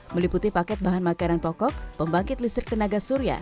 meliputi paket bahan makanan pokok pembangkit listrik tenaga surya